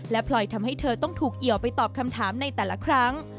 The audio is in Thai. และพลอยทำให้เธอต้องถูกเหี่ยวไปตอบคำถามในแต่ละครั้ง